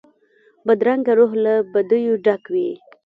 بدرنګه روح له بدیو ډک وي